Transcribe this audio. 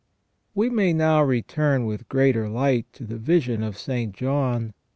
We may now return with greater light to the vision of St. John.